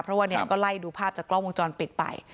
เพราะว่าเนี่ยก็ไล่ดูภาพจากกล้องวงจรปิดไป